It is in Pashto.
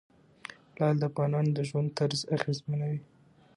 لعل د افغانانو د ژوند طرز اغېزمنوي.